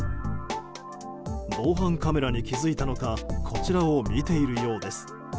防犯カメラに気付いたのかこちらを見ているようです。